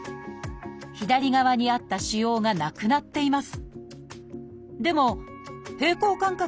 左側にあった腫瘍がなくなっています。